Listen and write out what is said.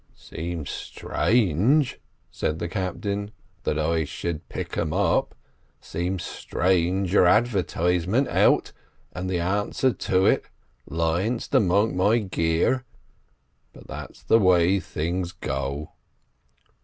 "Seems strange," said the captain, "that I should pick 'em up; seems strange your advertisement out, and the answer to it lying amongst my gear, but that's the way things go."